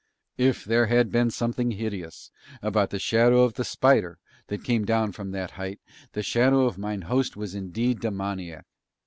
If there had been something hideous about the shadow of the spider that came down from that height the shadow of mine host was indeed demoniac.